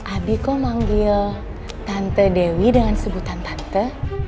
abi kok manggil tante dewi dengan sebutan tante